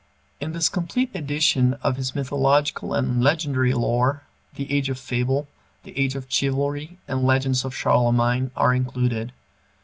In this complete edition of his mythological and legendary lore "The Age of Fable," "The Age of Chivalry," and "Legends of Charlemagne" are included.